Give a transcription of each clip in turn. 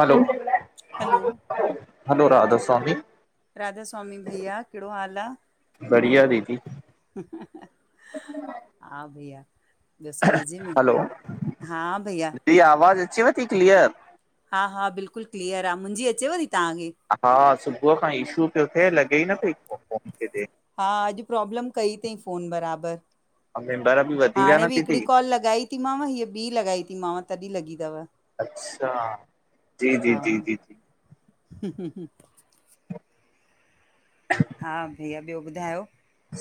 हलो hello hello Radha Swami Radha Swami भइया कहिड़ो हाल आह? बढ़िया दीदी। हा भईया। ॿियो सभु मज़े में? हा भैया। हीरा आवाज़ु अचेव थी क्लीयर? हा हा बिल्कुल क्लीअर आ मुंजी अचेव थी तहांखे हा सुबुह खां इशू प्यो थे लॻे ई न पई हा अॼु प्रॉब्लम कई तई फ़ोन बराबर ऐं मेंबर बि वधी विया हाणे न बी दीदी हिकड़ी कॉल लॻाई ती मांव हीय ॿी लॻाई ती मांव तॾी लॻी तव अच्छा जी जी जी हम्म हा भैया ॿयो ॿुधायो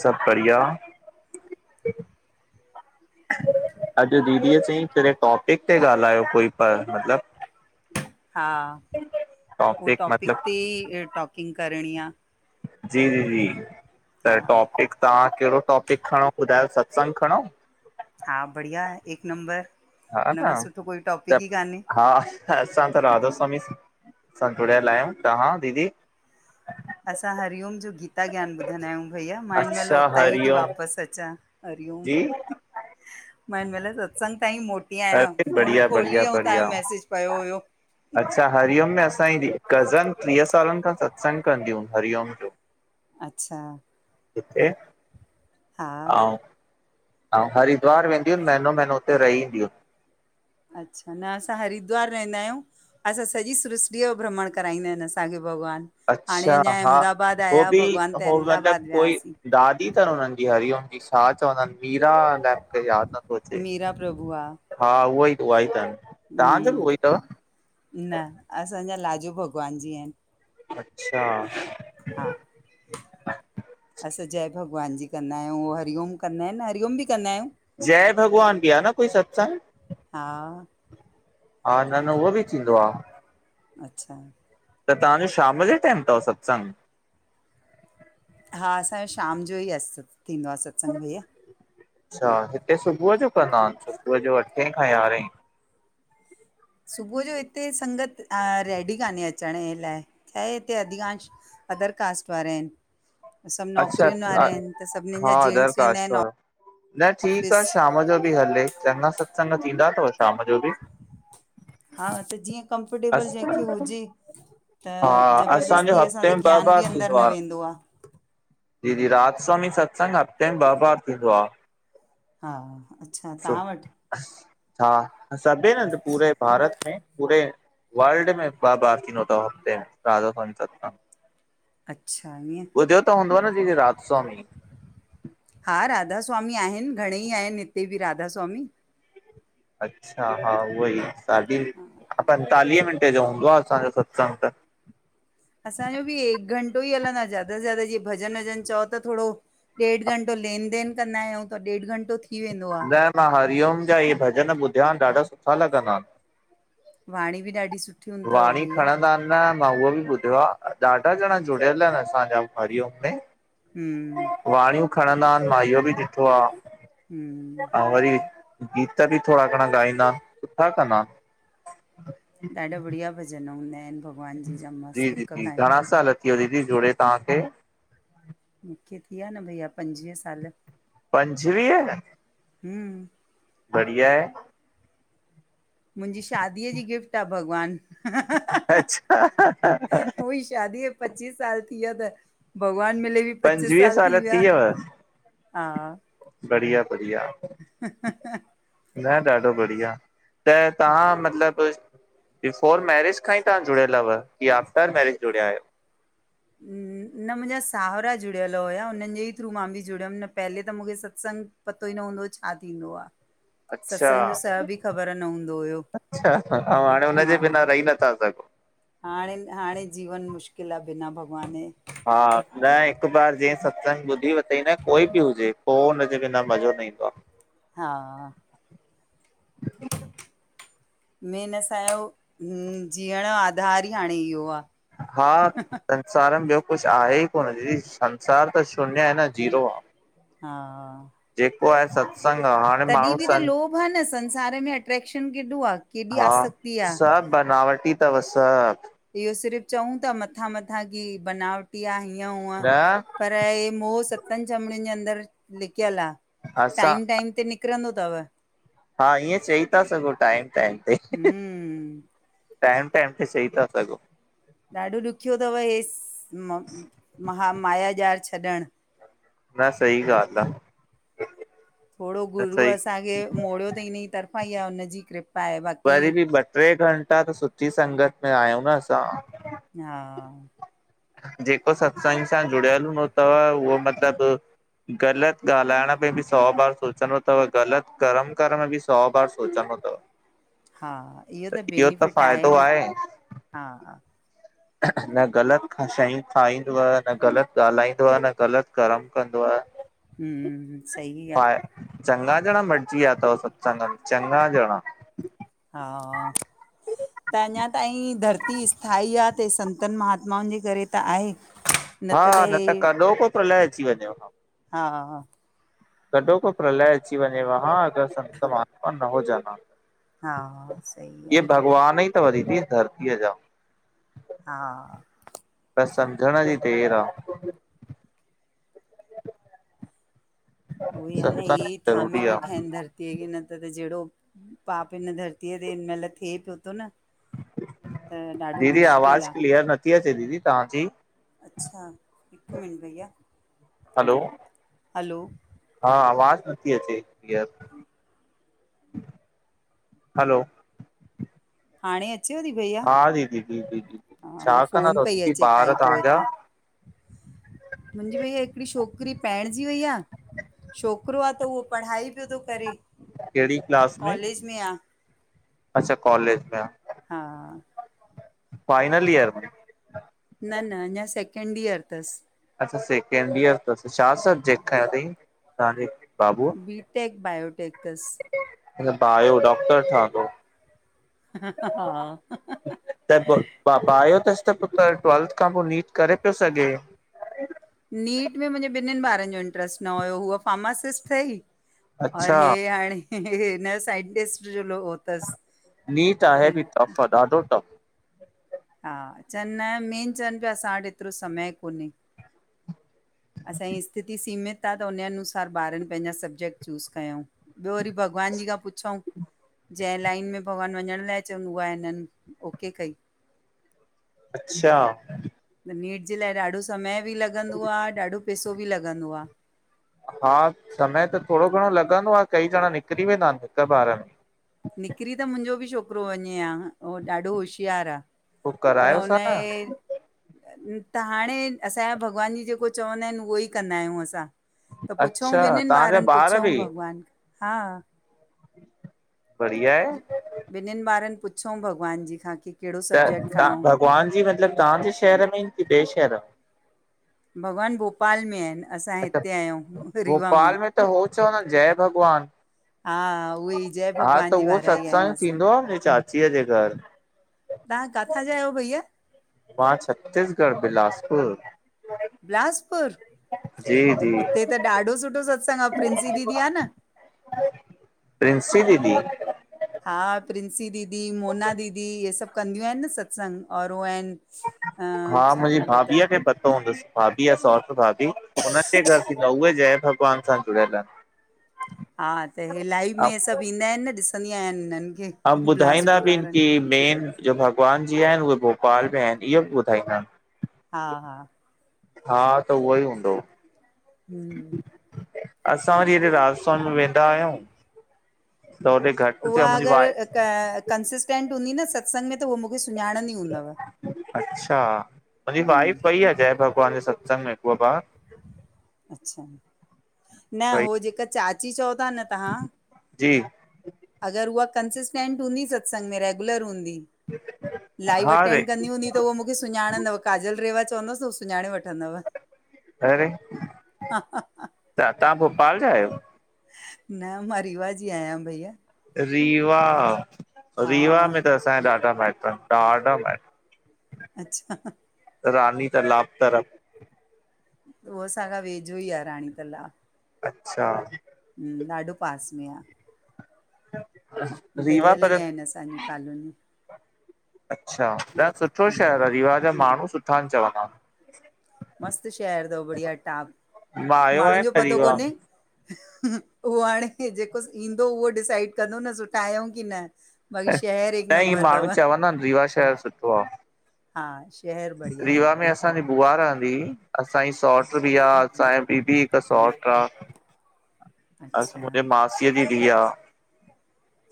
सभु बड़़िया अॼु दीदी चई कहिं टॉपिक ते ॻाल्हायो कोई पर मत्लब हा ओ टॉपिक तें टॉकिंग करणी आं ज़ी जी जी हा त टॉपिक तहां केहड़ो टॉपिक खणो ॿुधायो सत्संग खणऊं हा बढ़िया आ एक नंबर हा न उनखां सुठो कोई त टॉपिक ई कान्हे हा असां त राधा स्वामी सां जुड़्यल आहयूं तहां दीदी असां हरिओम जो गी गीतां ज्ञान ॿुधंदा आहयूं भईया मां हिंन महिल अच्छा उतां ई ती हरिओम वापस अचां हरिओम जी मां हिन महिल सत्संग ताईं मोटी आहयां अरे फोन बढ़िया बढ़िया खोली ऐं बढ़िया तहांजो मैसिज पयो हुयो अच्छा हरिओम में असांजी कज़न ट्रीह सालन खां सत्संग कंदयु हरिओम जो अच्छा उते हा अऊं अऊं हरिद्वार वेदुयूं महीनो महीनो उते रही ईंदीयु अच्छा न असां हरिद्वार रहंदा आह्युं असां सॼी सृष्टि जो भ्रमण कराईंदा आहिन असांखे भॻवान अच्छा हा हो बीं भॻवान त होइ मतलब अहमदाबाद कोई वियासीं ॾाॾी अथन हुननि जी हरिओम छा चवंदा आहिन मीरा अलाए मुखे याद न तो अच्चे मीरा प्रभु आ हा उहो ई उहा ई त हुम्म न असांजा लाजू भॻवानु जी आहिन अच्छा हा असां जय भॻवान जी कंदा आहयुं उह हरिओम कंदा आहिन हरिओम बी कंदा आह्युं जय भॻवान बीं आ न कोई सत्संग हा ह हा न न उओ बी थींदो आ अच्छां त तवांजो शाम जे टाइम तव सत्संग हा असांजो शाम जो इ आ थींदो आ सत्संग भैया अच्छा हिते सुबुह जो कंदाएन सुबुह जो अठें ऐं यारहें सुबुह जो हिते संगत अं रेडी कान्हे अचण ॼे लाए छाहे हिते अधिकांश अदर कास्ट वारा इ न सभु अच्छा नौकरीयुन वारा आहिन त सभीनिन हा जा अदर जेंट्स वेंदा कास्ट आहिन आ वारो। न ठीकु आ शाम जो बी हले चंॻा सत्संग थींदा तव शाम जो बी हा त जीयं कम्फर्टेबल जेंहखे हुजे त हा असांजो ज़बरदस्तीअ सां हफ़्ते त में ॿ ज्ञान बी अंदर न वेंदो आ दीदी राधा स्वामी सत्संग हफ़्ते में ॿ बार थींदो आ हा अच्छा तव्हां वट। हा सभे न त पूरे - - भारत में पूरे वर्ल्ड में बाबाासिनोदा हफ़्ते राधा ससत त - - अच्छा ईअं। ॿुधियो त हूंदो न जी रातस्वामी। हा राधास्वामी आहिन घणेई आहिन हिते बि राधास्वामी। अच्छा हा उहो ई साढी पंजेतालीह मिंटे जो हूंदो आहे असांजो सत्संग त - - असांजो बि ए घंटो ई हलंदो आ ज्यादा सां ज्यादा जीअं भॼन वॼन चओ त थोरो। ॾेढु घंटो लेन देन कंदा आहियूं त ॾेढु घंटो थी वेंदो आ। न मां हरिओम जा इहे भॼन ॿुधिया ॾाढा सुठा लॻंदा। वाणी बि ॾढी सुठी। वणी खणंदा न। न मां उहो बि ॿुधियो आहे ॾाढा ॼणा जुड़ियल आहिन असांजा हरिओम में। हम्म - - वणियूं खणंदा आहिन मां इयो बि ॾिठो आहे हम्म ऐं वरी - - गीत बि थोरा घणा गॻाईंदा आहिन सुठा कंदा आहिन। ॾाढा बढ़िया भॼन हूंदा आहिन भॻवान जी जा जी मस्त हिक दीदी खां घणा हिक। साल दीदी जोड़े तव्हांखे। मूंखे थीया न भईया पंजवीह साल। पंजवीह। हम्म - बढिया आहे। मुंहिंजी शादीअ जी गिफ़्ट आ भॻवान। अच्छा उई शादीअ पची साल थी विया त। भॻवान मिले बि पंचीस साल थी विया हा। बढ़िया बढ़िया। ह - - न ॾाढो बढ़िया त तव्हां मतलब - - बिफोर मैरिज खां ई तव्हां जुड़ियल हुव की आफ्टर मैरिज जुड़िया आहियो। ह - - न मुंहिंजा साहुरा जुड़ियल हुया हुनन जे थ्रू मां बि जुड़ियम न पहले त मूंखे सत्संग - - पतो ई न हूंदो छा थींदो आ। अच्छा सत्संग जो स बि ख़बर न हूंदो हुयो अच्छा ऐं हाणे हुनजे हा। बिना रही नथा सघो। हाणे हाणे जीवन मुश्किलु आ बिना भॻवान जे। हा न हिकु बार जीं सत्संग ॿुधी वथईं न कोई बि हुजे पोइ हुन जे बिना मज़ो न ईंदो आ। हा - - मेन असांजो जीअण जो आधार ई हाणे इहो आ। हा - - संसार में ॿियो कुझु आहे ई कोन संसार त शून्य आहे न जीरो आ। हा हा - - जेको आहे सभु। संगा हा - - तॾहिं बि त लोभ आ न संसार में अट्रेक्शन केॾो आ। केॾी हा आसक्ति आ। सभ बनावटी अथव सभ। इहो सिर्फ़ु चऊं था मथां मथां की बनावटी आ हीअं हुअं न - - पर हे मोह सतन झमड़िनि जे अंदर लिकियल आ, असां टाइम टाइम ते निक् निकरंदो तव। हा ईंएं चई ता सघो, टाइम टाइम ते। हम्म टैम टैम ते चई ता सघो। ॾाढो ॾुखियो तव, हे स् महा मायाॼार छॾण। न सही ॻाल्हि आ। थोड़ो न गुरूअ सही असांखे मोड़यो तईं इनई तरफ़ां, ईआ उनजी कृपा आहे बाक़ी वरी बि ॿ ट्रे घंटा त सुठी संगत में आहयूं न असां। हा जेको सत्संग सां जुड़यल हूंदो तव, उहो मतिलब। गलत ॻाल्हाइण में बि सौ बार सोचंदो तव, गलत करम करण में बि सौ बार सोचंदो अथव हा, इहो त बेनिफिट आहे न, हा हा न ग़लत शयूं खाईंदोआ, न ग़लत ॻाल्हाईंदो आ, न ग़लत कर्म कंदो आ। हूं, सही आ। चङा ॼणा मटजी व्या तव, सत्संग में, चङा जणा। हा हा त अञा ताईं धरती स्थाई आ, ते संतनि महात्माउन जे करे त आहे। [inaudible] हा, न त कॾोको प्रलय अची वञेव हां। हा हा कॾोको प्रलय अची वञेव हां, अगर संत महात्मा न हुजन हां। हा सही इऐ आ भॻवान ई तव, दीदी, धरतीअ जा। हा त सम्झण जी देर आ। उओई आ न, सत्संग इहेई थामे ज़रूरी आ। वेठा इन धर् न त जेड़हो, पाप हिन धरतीअ ते हिन महिल धरतीअ ते थे पियो तो न त ॾाढो दीदी मुश्किल आवाज़ आ। क्लीअर नथी अचे, दीदी तहांजी। अच्छा, हिक मिंट भईया, हलो हलो! हा, आवाज नथी अचे, क्लीअर। हलो! हाणे अचेव ती, भइया? हा दीदी जी जी जी। हा, हू छा कंदा फोन तव पई दीदी अचे, ॿार काई तव्हांजा, पोइतां। मुंजी भईया हिकड़ी छोकरी पइणजी वई आ छोकरो आ, त उहो पढ़ाई पियो तो करे। केढ़ी क्लास में? [unintelligible] अच्छा कॉलेज में आ। हा फाइनल ईयर में? न न अञा सैकेंडियर तस। अच्छा, सेकेंडियर तस, छा हा सब्जेक्ट खयां तईं, तहांजे बाबूअ? बी, टैक बायो, टैक तस। मत्लब बायो, डॉक्टर ठहंदो? हा त पो, पा पायो तस त पो, पर ट्वल्थ खां पो नीट करे पियो सघे। नीट में मुंहिंजे ॿिन्हिनि ॿारनि जो इंट्र्स्ट न हुयो हूअ फार्मासिस्ट अथई और अच्छा हे हाणे न साइंटीस्ट जो हो तसि नीट आहे बि टफ दाढो टफ हा चनि न मेन चवनि पिया असां वटि एतिरो समय कोन्हे असांजी स्थिती सीमित आहे त हुनन अनुसार ॿारनि पंहिंजा सब्जेक्ट चूस कयूं। ॿियो वरी भॻवान जी खां पुछऊ। जंहिं लाइन में भॻवानु वञण लाइ चवनि उहा हिनननि ओके कई अच्छा नीट जे लाइ ॾाढो समय बि लॻंदो आहे, ॾाढो पैसो बि लॻंदो आहे। हा समय त थोड़ो घणो लॻंदो आहे कई ॼणा निकिरी वेंदा आहिनि हिक ॿार में निकिरी त मुंहिंजो बि छोकिरो वञे हा, उहो ॾाढो होशियारु आहे। पोइ परर करायोस हा न उन्ही त हाणे असांजा भॻवान जी जेको चवंदा आहिनि, उहो ई कंदा आहियूं असां त पुछऊ अच्छा ॿिन्हिनि तव्हांजा ॿारनि ॿार पुछऊ बि भॻवान हा बढिया आहे। ॿिन्हिनि ॿारनि पुछऊ भॻवान जी खां की कहिड़ो त सब्जेक्ट तव्हां खणऊं। भॻवान जी मतिलबु तव्हांजे शहर में आहिनि की ॿिए शहर भॻवानु भोपाल में आहिनि। असां अच्छा हिते आहियूं रीवा में भोपाल त हो चवंदा आहिनि जय भॻवान हा उहे ई जय हा भॻवान त जी उहो वारा ई आहियूं सतसंग असां। थींदो आहे, मुंहिंजी चाचीअ जे घरु तव्हां किथां जा आहियो भईया? मां छत्तीसगढ़ बिलासपुर बिलासपुर जी जी हुते त ॾाढो सुठो सत्संग प्रिंसी दीदी आहे न, प्रिंसी दीदी हा प्रिंसी दीदी मोना दीदी इहे सभु कंदियूं आहिनि न सत्संग और उहे आहिनि‌ हा मुंहिंजी भाभीअ खे पतो हूंदसि- भाभी आहे सौटृ भाभी हुनन्हनि जे घरु थींदो आहे, उहे जय भॻवान सां जुड़ियल आहिनि। हा त इहे लाइव में आहिनि सभु ईंदा आहिनि न ॾिसंदी आहियां हिननि खे ऐं ॿुधाईंदा बिलासपुर बि वारनि की खे। मेन जो भॻवान जी आहिनि उहे भोपाल में आहिनि इहो बि ॿुधाईंदा आहिनि। हा हा हा त उहो ई हूंदो हू असां वरीॾे राधा स्वामी में वेंदा आहियूं त होॾे घटि उहा थियो मुंहिंजी अगरि वाइ कंसिस्टेंट हूंदी न सत्संग में त उहो मूंखे सुञाणंदी ई हूंदवम। जाए ब [unintelligible] ानी सत्संग महकूबा [unintelligible] अच्छा न वई हो जेका चाची चओ था न तव्हां, जी अगरि उहा कंसिस्टेंट हूंदी सत्संग में रेगुलर हूंदी लाइव हा रे अटेंड कंदी हूंदी त उहो मूंखे सुञाणंदव काजल रेवा चवंदसि उ सुञाणे वठ- अे त तव्हां भोपाल जा आहियो। न मां रीवा जी आहियां भईया। रीवा हा रीवा में त - - अ ॾाढा महत्व ॾाढा मतव - - अच्छा - - रानी त लाप तर - - उहो असाखा वेझो ई आहे राणी तलाब। अच्छा। हम ॾाढो पास में आ। रीवा गॾियल पर ई - आहिनि असांजूं कॉलोनियूं - अच्छा तॾ सुठो हम्म शहर आहे रिवा जा माण्हू सुठा आहिन चवंदा। मस्त शहर अथव बढ़िया टॉप मां आयो माण्हुन आहियां जो न पतो रीवा कोन्हे। में उहो हाणे जेको ईंदो उहो डिसाइड कंदो न सुठा आहियूं की न। बाक़ी शहर हिकु न ई नंबर माण्हू अथव चवंदा आहिन रीवा शहर सुठो आ। हा शहर बढ़िया है। असांजी बुआ रहंदी असांजी सौट बि आ असांजी ॿीबी हिक सौट आ। अच्छा मुहिंजे मासी जी धीय या।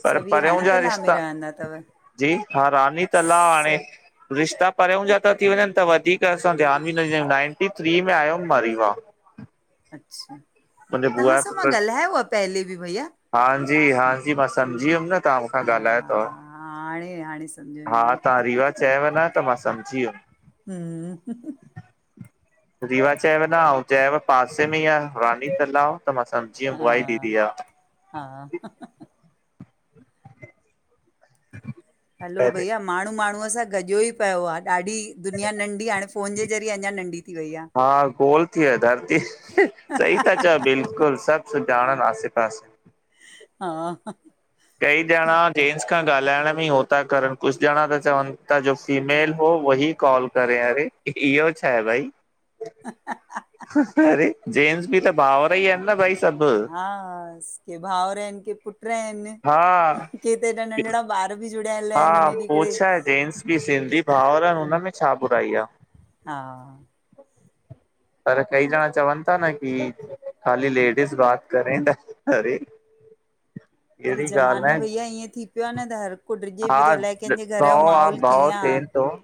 पर सभु इहे परियां राणी जा तलाउ में रिश्ता रहंदा अथव जी हा रानी तलाव हाणे। सभु रिश्ता परियां जा था थी वञन त वधीक असां ध्यानु बि न ॾंदा आहियूं नाइंटी थ्री में आयो म - - अच्छा। मुहिंजे बुआ तव्हां जे सां मां पुट - - ॻाल्हायो आहे पहले भैया - - हांजी हा जी मां सम्झी वियुम न तव्हां मूंखां ॻाल्हायो अथव। हा हाणे हाणे। सम्झ में हा आई तव्हां रीवा चयोव न त मां सम्झी वियुम। हम्म - - रीवा चयव पासे में ई रानी तालाब त मां स - - हा हा - - हलो पहले भईया माण्हू माण्हूअ सां गॼो ई पियो आ ॾाढी दुनिया नंढी हाणे। फोन जे ज़रए अञा नंढी। थी वई आहे हा गोल थी व धरती सही था चओ बिल्कुल। बिल्कुल सभ सुजाणन आसे पासे। हा - - कई जणा। जेेंन्टस खां ॻाल्हाइण में ई हो था करन कुझ ॼणा त चवन था जो फीमेल हो उह ई कॉल करे अरे। इहो छा आहे भई। ह। अरे जेन्टस बि त भावर ई आहिन न भई। सभु हा के भाऊर आहिन के पुट रहन - - हा - - केते हेॾा नंढढा ॿार बि जुड़ियल आहिन पो हुनिड़े। छा आहे जेंट्स सिंधी भाउरन हुनमें छा बुराई आ। हा - - पर कई जणा चवन था न की खाली लेडीस बात करे त अरे। - - अरे अहिड़ी ज़मानो ॻाल्हि न भईया ईअं थी पियो आ न त हर को डिेजे आहे पियो थो हा अलाए कंहिंजे घर जो माहौल कीअं आ। ह।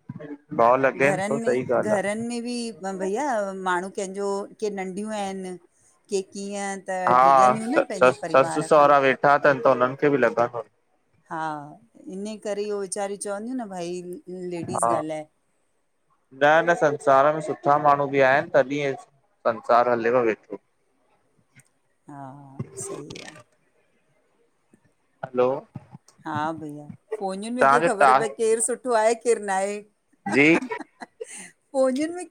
ह [unintelligible] घरनि, में घरनि, में बि भईया, माण्हू कंहिंजो, के नंढियूं आहिनि, के कीअं त डिॼंदियूं न हा, पंहिंजे ससु परिवार खां सहुरा, वेठा अथनि, त हुननि, खे बि लॻंदो हा, इन करे इहो वीचारिय, चवंदियूं, न भई लेडीस हा ॻाल्हाए न न संसार में सुठा माण्हू, बि आहिनि तॾहिं, संसार हलेवियो, वेठो हा, सही आ हलो, हा, भईया फफ़ोनियुनि, में कीअ तव्हांजो ख़बर पए भई टास्क केरु सुठो आहे, केरु न आहे जी फोनियूं, में